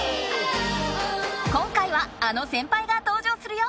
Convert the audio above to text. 今回はあの先輩が登場するよ！